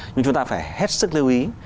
nhưng chúng ta phải hết sức lưu ý